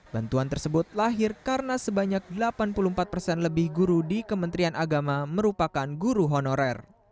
bantuan tersebut lahir karena sebanyak delapan puluh empat persen lebih guru di kementerian agama merupakan guru honorer